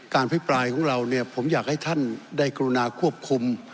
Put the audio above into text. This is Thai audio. พิปรายของเราเนี่ยผมอยากให้ท่านได้กรุณาควบคุม